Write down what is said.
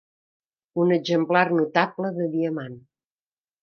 Un exemplar notable de diamant.